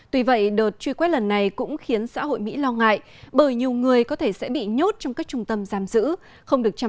tuy vậy đợt truy quét lần này cũng khiến xã hội mỹ lo ngại bởi nhiều người có thể sẽ bị nhốt trong các trung tâm giam giữ